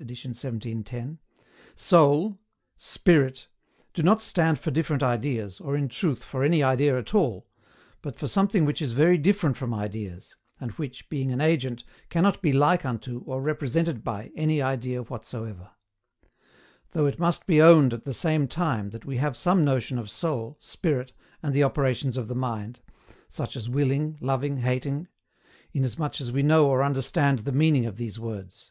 Edit 1710.], SOUL, SPIRIT, do not stand for different ideas, or, in truth, for any idea at all, but for something which is very different from ideas, and which, being an agent, cannot be like unto, or represented by, any idea whatsoever. Though it must be owned at the same time that we have some notion of soul, spirit, and the operations of the mind: such as willing, loving, hating inasmuch as we know or understand the meaning of these words.